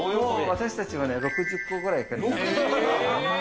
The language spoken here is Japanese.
私たちはね、６０個ぐらいいける。